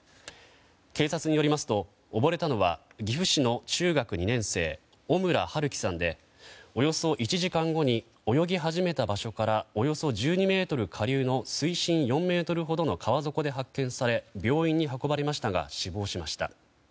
警察によりますと溺れたのは岐阜市の中学２年生尾村悠稀さんでおよそ１時間後に泳ぎ始めた場所からおよそ１２ｍ下流の水深４ｍほどの川底で発見され、病院に運ばれましたが死亡しました。